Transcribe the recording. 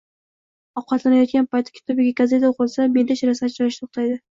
Ovqatlanayotgan paytda kitob yoki gazeta o‘qilsa, me’da shirasi ajralishi to‘xtaydi.